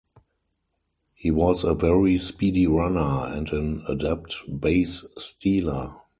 He was a very speedy runner, and an adept base stealer.